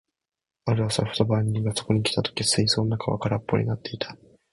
ある朝、ふと番人がそこに来た時、水槽の中は空っぽになっていた。